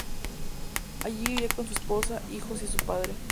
Allí vivía con su esposa, hijos y su padre.